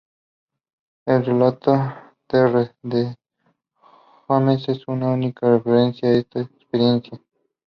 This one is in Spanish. El relato Terre des hommes es una referencia a esta experiencia.